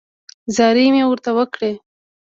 زارۍ مې ورته وکړې.